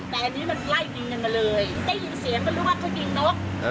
แต่อันนี้มันไล่ยิงกันมาเลยได้ยินเสียงก็รู้ว่าเขายิงนก